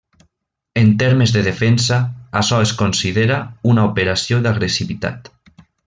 En termes de defensa açò es considera una operació d'agressivitat.